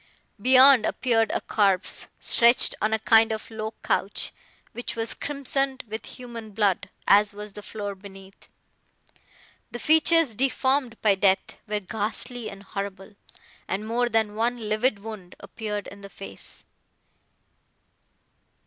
Beyond, appeared a corpse, stretched on a kind of low couch, which was crimsoned with human blood, as was the floor beneath. The features, deformed by death, were ghastly and horrible, and more than one livid wound appeared in the face.